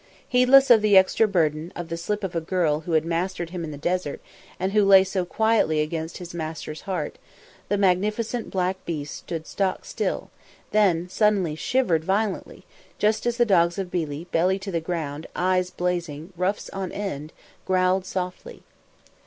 Heedless of the extra burden of the slip of a girl who had mastered him in the desert and who lay so quietly against his master's heart, the magnificent black beast stood stock still, then suddenly shivered violently, just as the dogs of Billi, belly to ground, eyes blazing, ruffs on end, growled softly.